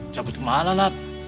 cabut kemana nat